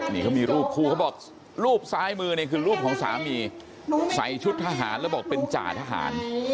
นี่เขามีรูปคู่เขาบอกรูปซ้ายมือเนี่ยคือรูปของสามีใส่ชุดทหารแล้วบอกเป็นจ่าทหาร